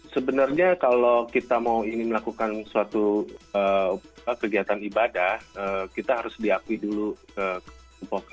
sebenarnya kalau kita mau ingin melakukan suatu kegiatan ibadah kita harus diakui dulu ke upah upah